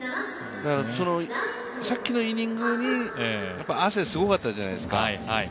さっきのイニングに汗すごかったじゃないですか。